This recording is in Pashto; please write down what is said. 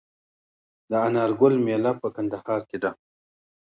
د انار ګل میله په کندهار کې ده.